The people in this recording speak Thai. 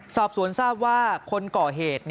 สอบสวนทราบว่าคนก่อเหตุ